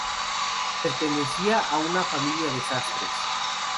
Pertenecía a una familia de sastres.